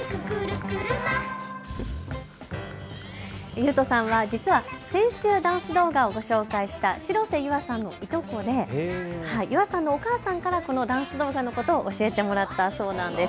ゆうとさんは実は先週ダンス動画をご紹介したしろせゆあさんのいとこでゆあさんのお母さんからこのダンス動画のことを教えてもらったそうなんです。